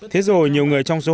thế rồi nhiều người trong số họ